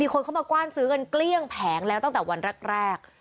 คนเข้ามากว้านซื้อกันเกลี้ยงแผงแล้วตั้งแต่วันแรก